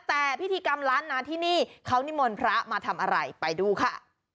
แต่พิธีกรรมล้านนาที่นี่เขานิมนต์พระมาทำอะไรไปดูค่ะ